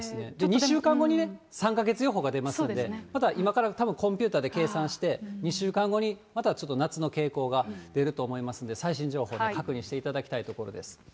２週間後に３か月予報が出ますんで、また、今からたぶんコンピューターで計算して、２週間後にまたちょっと夏の傾向が出ると思いますんで、最新情報で確認していただきたいところです。